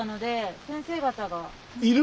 いる？